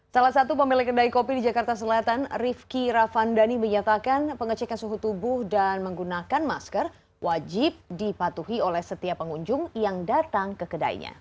salah satu pemilik kedai kopi di jakarta selatan rifki ravandani menyatakan pengecekan suhu tubuh dan menggunakan masker wajib dipatuhi oleh setiap pengunjung yang datang ke kedainya